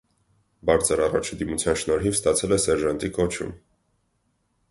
Բարձր առաջադիմության շնորհիվ ստացել է սերժանտի կոչում։